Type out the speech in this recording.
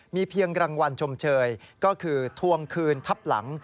มีเพียงรางวัลชมเชยก็คือทวงคืนทับหลัง